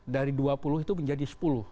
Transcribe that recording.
dari dua puluh itu menjadi sepuluh